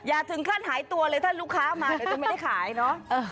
ถึงขั้นหายตัวเลยถ้าลูกค้ามาเดี๋ยวจะไม่ได้ขายเนอะ